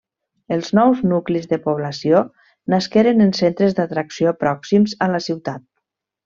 Els nous nuclis de població nasqueren en centres d’atracció pròxims a la ciutat.